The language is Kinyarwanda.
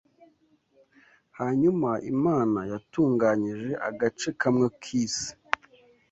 Hanyuma Imana yatunganyije agace kamwe k’isi